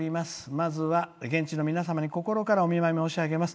まずは現地の方々に心からお見舞い申し上げます。